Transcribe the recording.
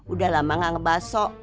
udah lama gak ngebaso